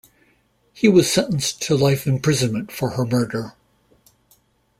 He was sentenced to life imprisonment for her murder.